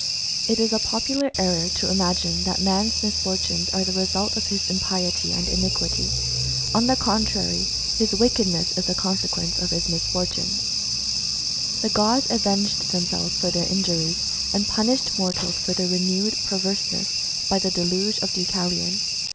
It is a popular error to imagine that man's misfortunes are the result of his impiety and iniquity. On the contrary, his wickedness is the consequence of his mis fortunes. The gods avenged themselves for their injuries, and ^ See Herodotus, Strabo, &c. HISTORY OF THE HUMAN RACE. 5 punished mortals for their renewed perverseness, by the deluge of Deucalion.